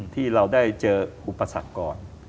ที่เราได้เจออุปสรรคก่อน